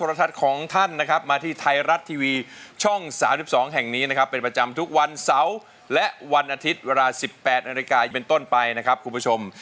วันอาทิตย์เวลา๑๘นเป็นต้นไปนะครับคุณผู้ชม